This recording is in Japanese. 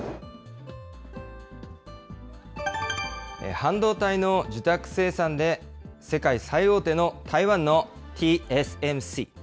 半導体の受託生産で世界最大手の台湾のＴＳＭＣ。